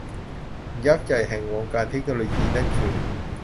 ยักษ์ใหญ่แห่งวงการเทคโนโลยีนั่นคือ